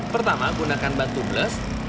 pertama gunakan batu bles